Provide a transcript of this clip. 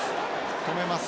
止めます